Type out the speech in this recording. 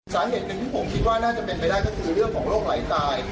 สาเหตุหนึ่งที่ผมคิดว่าน่าจะเป็นไปได้ก็คือเรื่องของโรคไหลตาย